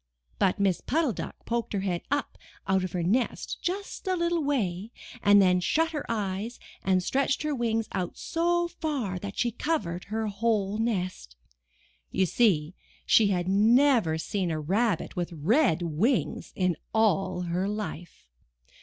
'' But Miss Puddle Duck poked her head up out of her nest just a little way and then she shut her eyes and stretched her wings out so far that she covered her whole nest. You see she had never seen a rabbit with red wings in all her life.